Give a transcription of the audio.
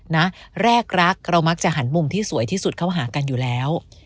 แรกรักเรามักจะหันมุมที่สวยที่สุดเข้าหากันอยู่แล้ว